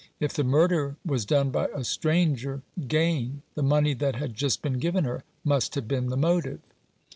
If the murder was done by a stranger, gain — the money that had just been given her — must have been the motive."